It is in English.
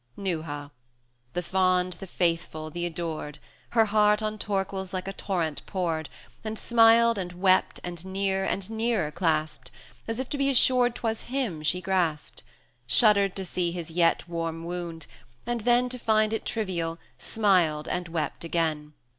Neuha the fond, the faithful, the adored Her heart on Torquil's like a torrent poured; And smiled, and wept, and near, and nearer clasped, As if to be assured 'twas him she grasped; 190 Shuddered to see his yet warm wound, and then, To find it trivial, smiled and wept again.